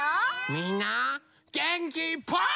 みんなげんきいっぱい。